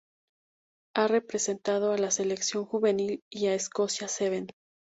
Ha representado a la selección juvenil y a Escocia Seven.